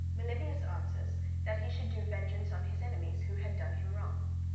Melibœus answers, that he should do vengeance on his enemies, who had done him wrong.